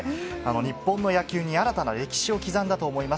日本の野球に新たな歴史を刻んだと思います。